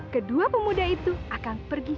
kedua pemuda itu akan pergi